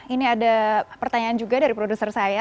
ini ada pertanyaan juga dari produser saya